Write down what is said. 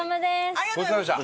ありがとうございます。